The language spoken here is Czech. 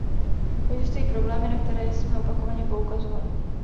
Existují problémy, na které jsme opakovaně poukazovali.